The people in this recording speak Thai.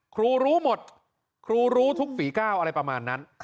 ครูรู้หมดครูรู้ทุกฝีก้าวอะไรประมาณนั้น